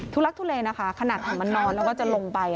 ลักทุเลนะคะขนาดถังมันนอนแล้วก็จะลงไป